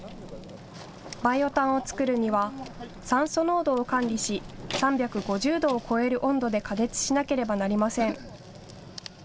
バイオ炭を作るには酸素濃度を管理し、３５０度を超える温度で加熱しなければなりません。